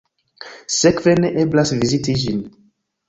Sekve ne eblas viziti ĝin.